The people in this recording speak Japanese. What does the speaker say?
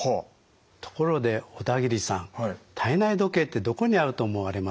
ところで小田切さん体内時計ってどこにあると思われます？